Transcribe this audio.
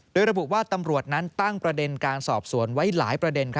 โดยระบุว่าตำรวจนั้นตั้งประเด็นการสอบสวนไว้หลายประเด็น